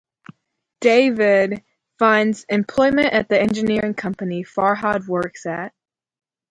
Davoud finds employment at the engineering company Farhad works at.